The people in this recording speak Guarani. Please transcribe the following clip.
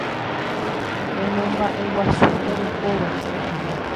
Emomba'eguasu erekóva